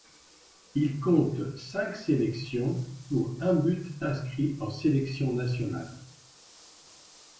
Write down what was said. Il compte cinq sélections pour un but inscrit en sélection nationale.